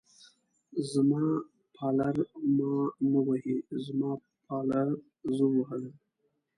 زما پالر ما نه وهي، زما پالر زه ووهلم.